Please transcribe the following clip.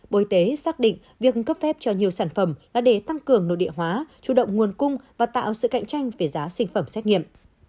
bộ y tế xác định việc cấp phép cho nhiều sản phẩm là để tăng cường nội địa hóa chủ động nguồn cung và tạo sự cạnh tranh về giá sinh phẩm xét nghiệm